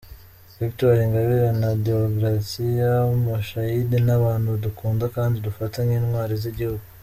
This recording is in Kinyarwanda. Victoire Ingabire na Deogratias Mushayidi ni abantu dukunda kandi dufata nk’intwari z’igihugu.